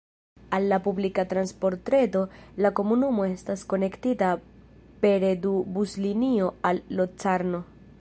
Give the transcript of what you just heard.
Al la publika transportreto la komunumo estas konektita pere du buslinio al Locarno.